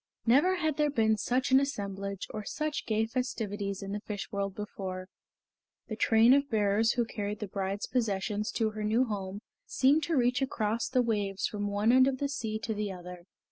Never had there been such an assemblage or such gay festivities in the Fish World before. The train of bearers who carried the bride's possessions to her new home seemed to reach across the waves from one end of the sea to the other.